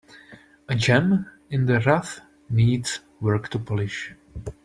A gem in the rough needs work to polish.